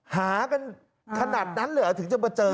หากันขนาดนั้นเลยเหรอถึงจะมาเจอ